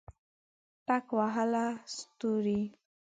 ټک وهله ستوري